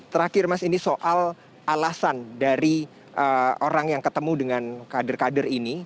terakhir mas ini soal alasan dari orang yang ketemu dengan kader kader ini